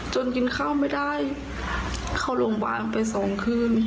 กินข้าวไม่ได้เข้าโรงพยาบาลไปสองคืน